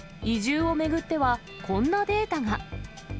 移住を巡っては、こんなデータが。